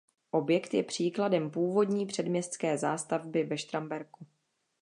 Objekt je příkladem původní předměstské zástavby ve Štramberku.